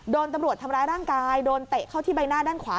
โดนตำรวจทำร้ายร่างกายโดนเตะเข้าที่ใบหน้าด้านขวา